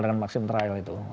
dengan maxim trial itu